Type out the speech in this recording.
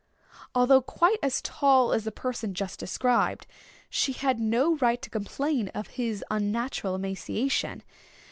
Although quite as tall as the person just described, she had no right to complain of his unnatural emaciation.